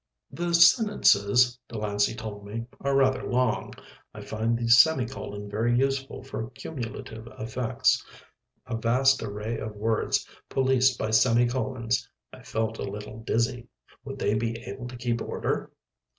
"The sentences," Delancey told me, "are rather long. I find the semicolon very useful for cumulative effects." A vast array of words policed by semi colons. I felt a little dizzy. Would they be able to keep order?